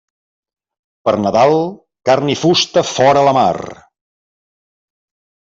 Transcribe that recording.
Per Nadal, carn i fusta fora la mar.